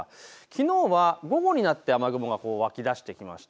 きのうは午後になって雨雲が湧き出してきました。